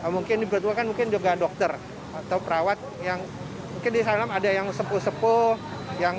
mungkin dipertuakan mungkin juga dokter atau perawat yang mungkin di sana ada yang sepuh sepuh yang